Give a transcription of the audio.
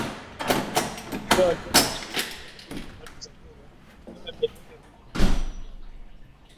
Maafisa walisema ni shilingi bilioni kumi na tatu za Kenya (dolla mia moja kumi na mbili milioni).